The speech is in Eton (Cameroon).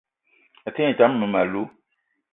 A te ngne tam mmem- alou